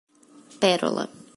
Pérola